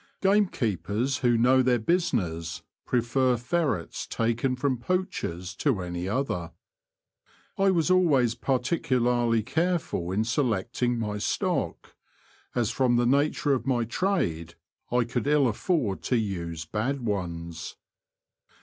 Gamekeepers who know their business prefer ferrets taken from poachers to any other. I was always particularly careful in selecting my stock, as from the nature of my trade I could ill afford to use bad ones.